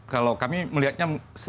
kalau kami melihatnya